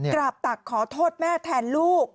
กราบตักขอโทษแม่แทนลูก